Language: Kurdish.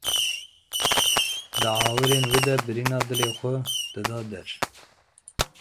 Di awirên wê de birîna dilê wê xwe dida der.